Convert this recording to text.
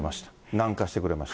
南下してくれました。